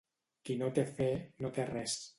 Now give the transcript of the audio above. Qui no té fe, no té res.